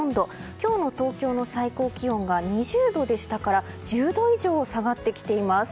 今日の東京の最高気温が２０度でしたから１０度以上下がってきています。